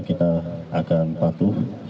kita akan patuh